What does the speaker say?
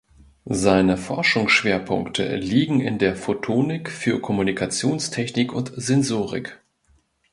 Seine Forschungsschwerpunkte liegen in der Photonik für Kommunikationstechnik und Sensorik.